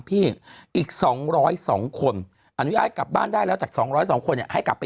พี่อีก๒๐๒คนอนุญาตกลับบ้านได้แล้วจาก๒๐๒คนให้กลับไป